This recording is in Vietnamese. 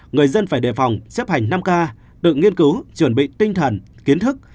người dân phải đề phòng xếp hành năm k tự nghiên cứu chuẩn bị tinh thần kiến thức